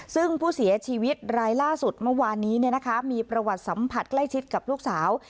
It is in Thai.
ซึ่งผู้เสียชีวิตรายล่าสุดเมื่อวานนี้มีประวัติสัมผัสใกล้ชิดกับลูกสาว